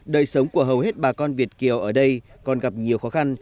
đời sống của hầu hết bà con việt kiều ở đây còn gặp nhiều khó khăn